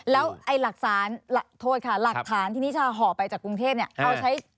แล้วหลักฐานที่นิชาห่อไปจากกรุงเทพฯ